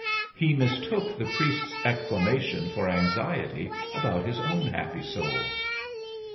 He mistook the priest's exclamation for anxiety about his own happy soul.